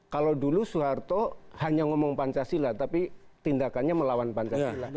kalau dulu soeharto hanya ngomong pancasila tapi tindakannya melawan pancasila